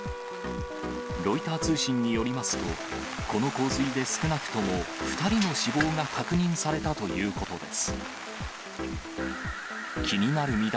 ロイター通信によりますと、この洪水で少なくとも２人の死亡が確認されたということです。